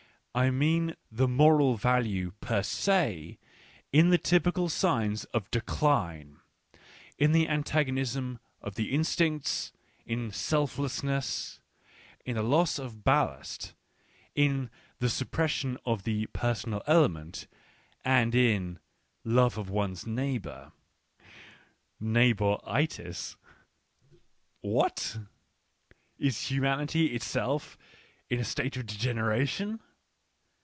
— I mean the moral value per se, in the typical signs of decline, in the antagonism of the instincts, in " selflessness," in the loss of ballast, in " the suppression of the personal element," and in " love of one's neighbour " (neigh bour itis !). What ! is humanity itself in a state of degeneration